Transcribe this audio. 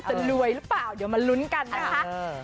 จะรวยหรือเปล่าเดี๋ยวมาลุ้นกันนะคะ